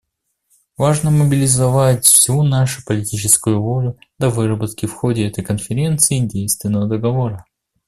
Важно мобилизовать всю нашу политическую волю для выработки в ходе этой Конференции действенного договора.